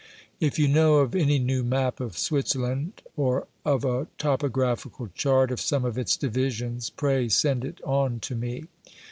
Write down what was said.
If you know of any new map of Switzerland, or of a topographical chart of some of its divisions, pray send it on to me.